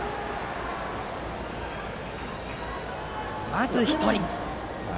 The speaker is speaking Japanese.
まず１人。